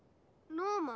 ノーマン！